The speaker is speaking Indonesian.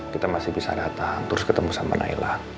kita masih bisa datang terus ketemu sama naila